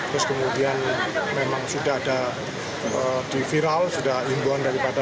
terus kemudian memang sudah ada di viral sudah imbuan daripada